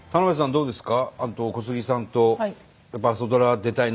どうですか？